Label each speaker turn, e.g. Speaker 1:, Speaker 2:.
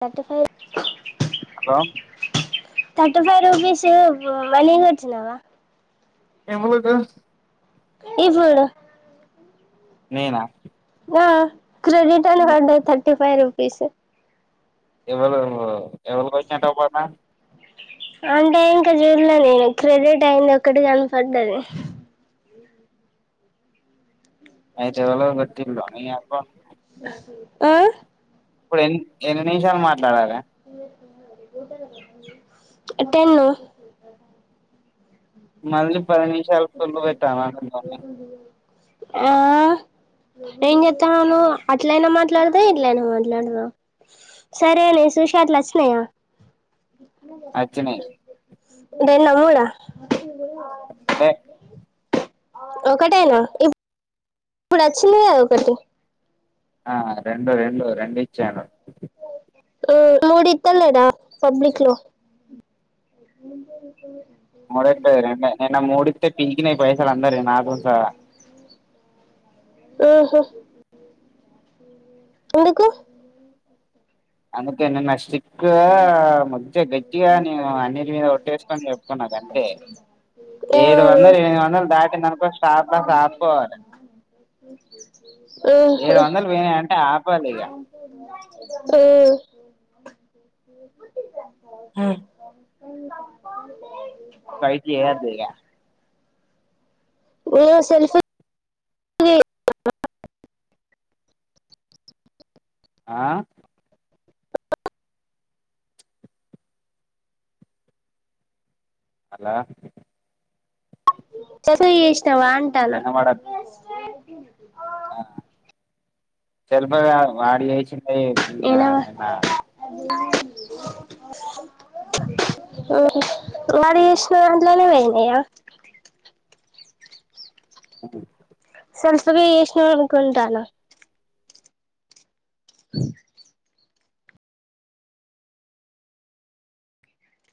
Speaker 1: thirty five
Speaker 2: hello
Speaker 1: thirty five రూపపి స్ మళచ్చినవా
Speaker 2: ఏమ లేదు
Speaker 1: ఇపుడు
Speaker 2: నేనా
Speaker 1: ఆ క్రెడిట్ అనీ పడయి థర్టీ ఫైవ్ రుపీస్
Speaker 2: ఎవలు ఆవలికి వచ్చినట్లు పడ
Speaker 1: అంటే ఇంకా చూడలే నేను క్రెడిట్ అయింది ఒకటి కనపడ్డది
Speaker 2: అయితే ఎవలో కోటింద్ర నీ అకౌంట్ కీ
Speaker 1: ఆ
Speaker 2: ఇప్పుడు ఎ ఎన్ని నిమిషాలు మాట్లాడాలి
Speaker 1: టెన్
Speaker 2: మళ్ళీ పది నిమిషాల సోళ్లు పెట్టాల అలోనే
Speaker 1: ఆ నేం చెతాను అట్లైనా మాట్లాడదా ఇట్లైనా మాట్లాడదా సరేనే సుషాద్లచన్నాయా
Speaker 2: అచ్చనే
Speaker 1: రెన్న్న మూడ
Speaker 2: బ [unintelligible]
Speaker 1: ఒకటేనా ఇ ఇప్పుడు వచ్చింది కదా ఒకటి
Speaker 2: ఆ రెండు రెండు రెండు ఇచ్చాను
Speaker 1: ఆ మూడు ఇత్తాను లేనా పబ్లిక్ లో
Speaker 2: ముడెక్కడివి రెండే నిన్న మూడిస్తే పీకిినయి పైసలు అందరివి నాతో సహా
Speaker 1: ఊహూ ఎందుకు
Speaker 2: అందుకే అన్ని నష్టం చిక్కు మధ్య గట్టిగా నేను అన్నింటి మీద కొట్టేసుకని చెప్పుకున్నా గంతే ఏడు
Speaker 1: ఏమోనే
Speaker 2: వందలు ఎనిమిది వందలు దాటిందనుకో స్టార్టప్స్ ఆపుకోవాలి ఏడు
Speaker 1: ఊహూ
Speaker 2: వందలు పోయినాయి అంటే ఆపాలి ఇక ఉమ్ పైకి ఏయద్దు ఇగ
Speaker 1: ఆ సెల్ఫీ
Speaker 2: ఆ హలో
Speaker 1: [unintelligible] తీసినావా అంటానా
Speaker 2: ఆ [unintelligible] వాడి చేసిండు ఏయ్ ఇంగా
Speaker 1: నేనవా
Speaker 2: నా
Speaker 1: ఆ మరి వేసిన దాంట్లోనే పోయినాయా
Speaker 2: ఉమ్
Speaker 1: స్వల్ప నే ఏసినావ్ అనుకుంటానా స